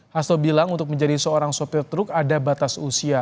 hasto bilang untuk menjadi seorang sopir truk ada batas usia